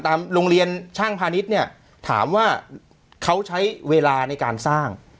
โรงเรียนช่างพาณิชย์เนี่ยถามว่าเขาใช้เวลาในการสร้าง